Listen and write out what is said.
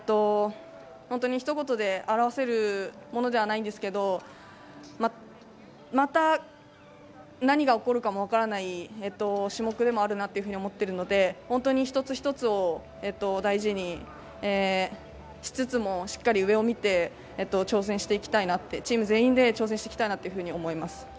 本当にひと言で表せるものではないんですけどまた何が起こるかも分からない種目でもあるなと思っているので本当に１つ１つを大事にしつつもしっかり上を見てチーム全員で挑戦していきたいなと思います。